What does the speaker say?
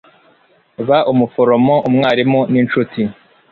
ba umuforomo, umwarimu n'inshuti